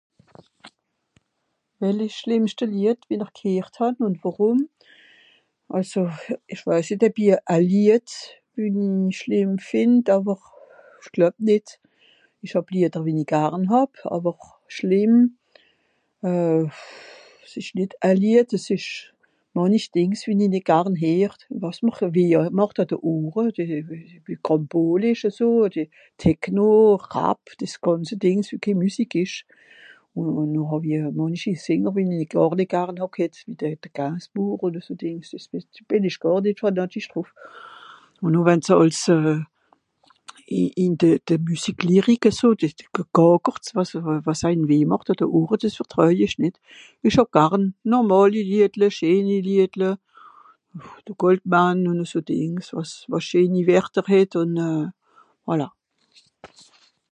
Well ìsch s'schlìmmschte Lied, wie-n-r gheert hàn ùn worum ? Àlso... pff... ìch weis nìt eb i a Lied... eumh... schlìmm fìnd, àwer ìch gloeb nìt. Ìch hàb Lieder wenni garn (...) àwer schlìmm... euh pff... s'ìsch nìt e Lied es ìsch mànchi Dìngs, wie-n-i nìt garn heer, wàs m'r weh màcht àn de Ohre, de... de... de... Kràmbol ìsch eso, Techno, euh... Rap..., dìs gànze Dìngs, wie ke Müsik ìsch. Ùn noh hàw-i mànchi sìnger, wie-n-i gàr nìt garn hàà ghett, de Gainsbourg, odder so Dìngs, bìn ìch gàr nìt (...). Ùn noh wenn se àls euh... i...in de...de Müsiklyric eso d... d... gàckert, wàs se, wàs eim weh màcht àn de Ohre, dìs vertroej ìch nìt. Ìch hàb garn normàli Liedle, scheeni Liedle... pff.... de Goldman ùn eso Dìngs, wàs... wàs scheeni Werter het ùn euh... voilà.